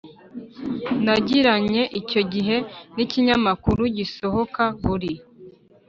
nagiranye icyo gihe n'ikinyamakuru gisohoka buri